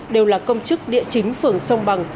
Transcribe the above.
đều là công chức địa chính phường sông bằng